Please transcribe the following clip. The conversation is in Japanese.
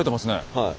はい。